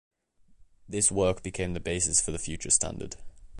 This work became the basis for the future standard.